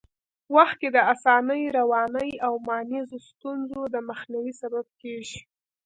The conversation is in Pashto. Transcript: وخت کي د اسانۍ، روانۍ او مانیزو ستونزو د مخنیوي سبب کېږي.